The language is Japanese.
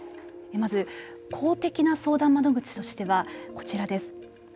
まず、公的な相談窓口としてはこちらです。